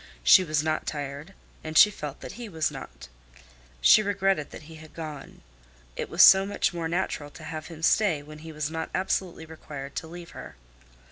She was not tired, and she felt that he was not. She regretted that he had gone. It was so much more natural to have him stay when he was not absolutely required to leave her.